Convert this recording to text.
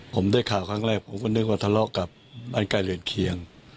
ผมได้ข่าวครั้งแรกผมก็นึกว่าทะเลาะกับบ้านใกล้เรือนเคียง